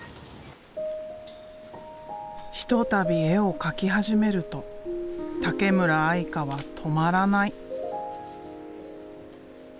ひとたび絵を描き始めるとたけむらあいかは止まらない。